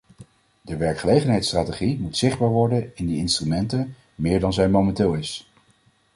De werkgelegenheidsstrategie moet zichtbaar worden in die instrumenten, meer dan zij momenteel is.